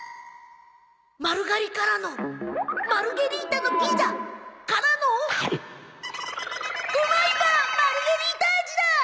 丸刈りからのマルゲリータのピザからのウマイバーマルゲリータ味だ！